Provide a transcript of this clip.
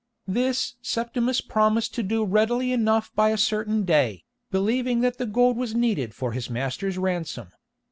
This Stephanus promised to do readily enough by a certain day, believing that the gold was needed for his master's ransom.